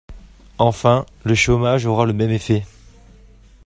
Enfin, le chômage aura le même effet.